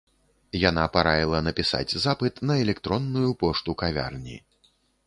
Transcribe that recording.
Яна параіла напісаць запыт на электронную пошту кавярні.